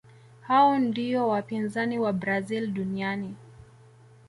hao ndiyo wapinzani wa brazil duniani